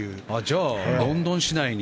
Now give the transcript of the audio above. じゃあロンドン市内に。